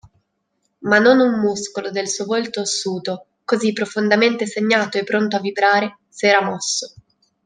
Ma non un muscolo del suo volto ossuto, cosí profondamente segnato e pronto a vibrare, s'era mosso.